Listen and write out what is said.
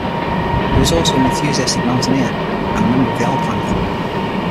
He was also an enthusiastic mountaineer and member of the Alpine Club.